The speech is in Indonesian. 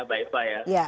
baik pak ya